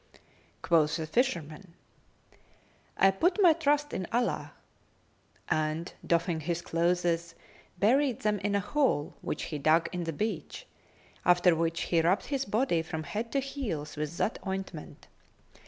Quoth the fisherman, "I put my trust in Allah;" and, doffing his clothes, buried them in a hole which he dug in the beach; after which he rubbed his body from head to heels with that ointment.